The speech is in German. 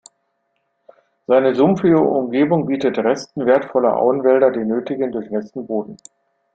Seine sumpfige Umgebung bietet Resten wertvoller Auenwälder den nötigen durchnässten Boden.